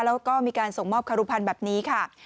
แล้วก็มีการส่งมอบคารุภัณฑ์แบบนี้ค่ะ